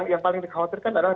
yang paling dikhawatirkan adalah